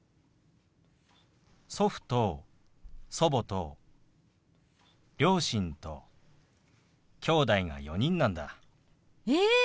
祖父と祖母と両親ときょうだいが４人なんだ。え！